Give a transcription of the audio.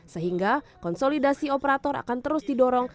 sehingga konsolidasi operator akan terus didorong